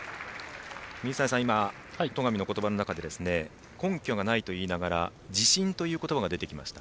水谷さん、今、戸上の言葉の中で根拠がないと言いながら「自信」という言葉が出てきました。